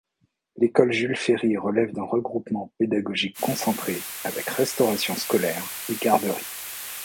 L'école Jules-Ferry relève d'un regroupement pédagogique concentré avec restauration scolaire et garderie.